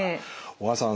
小川さん